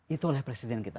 itu oleh presiden kita